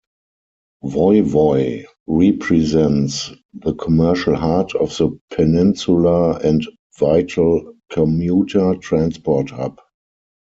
Woy Woy represents the commercial heart of the Peninsula and vital commuter transport hub.